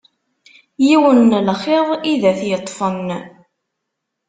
Yiwen n lxiḍ i d ad t -yeṭṭfen.